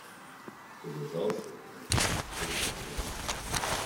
It has also been arranged for violin.